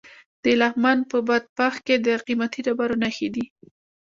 د لغمان په بادپخ کې د قیمتي ډبرو نښې دي.